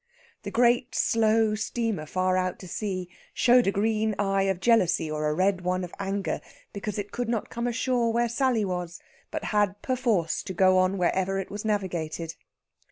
The great slow steamer far out to sea showed a green eye of jealousy or a red one of anger because it could not come ashore where Sally was, but had perforce to go on wherever it was navigated.